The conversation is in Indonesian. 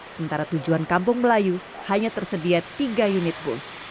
sementara tujuan kampung melayu hanya tersedia tiga unit bus